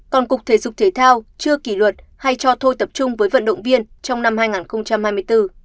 còn cục thể dục thể thao chưa kỷ luật hay cho thôi tập trung với vận động viên trong năm hai nghìn hai mươi bốn